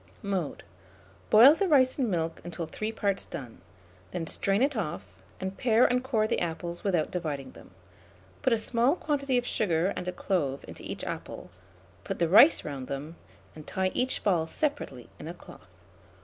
Mode. Boil the rice in milk until three parts done; then strain it off, and pare and core the apples without dividing them. Put a small quantity of sugar and a clove into each apple, put the rice round them, and tie each ball separately in a cloth.